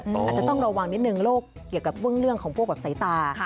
อาจจะต้องระวังนิดนึงโรคเกี่ยวกับเรื่องของพวกแบบสายตา